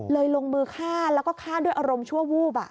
ลงมือฆ่าแล้วก็ฆ่าด้วยอารมณ์ชั่ววูบ